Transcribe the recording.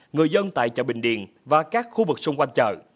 người dân tại chợ bình điền và các khu vực xung quanh chợ